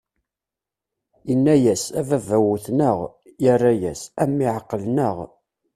Inna-yas: "A baba, wwten-aɣ". Irra-yas: "A mmi, εeqlen-aɣ".